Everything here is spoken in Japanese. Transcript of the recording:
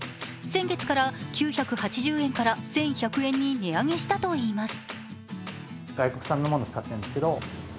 先月から９８０円から１１００円に値上げしたといいます。